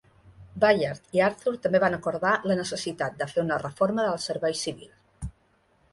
Bayard i Arthur també van acordar la necessitat de fer una reforma del servei civil.